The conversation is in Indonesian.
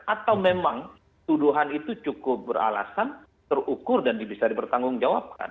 atau memang tuduhan itu cukup beralasan terukur dan bisa dipertanggungjawabkan